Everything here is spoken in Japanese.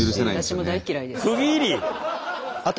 私も大嫌いです。